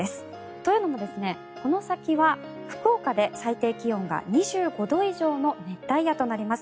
というのも、この先は福岡で最低気温が２５度以上の熱帯夜となります。